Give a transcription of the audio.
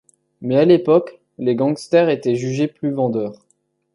Mais à l'époque, les gangsters étaient jugés plus vendeurs.